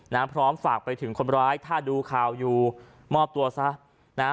พร้อมฝากไปถึงคนร้ายถ้าดูข่าวอยู่มอบตัวซะนะฮะ